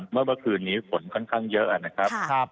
เมื่อคืนนี้ฝนค่อนข้างเยอะนะครับ